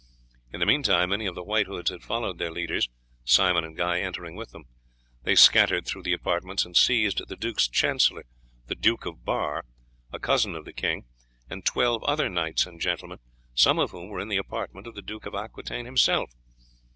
In the meantime many of the White Hoods had followed their leaders, Simon and Guy entering with them. They scattered through the apartments and seized the duke's chancellor, the Duke of Bar, a cousin of the king, and twelve other knights and gentlemen, some of whom were in the apartment of the Duke of Aquitaine himself.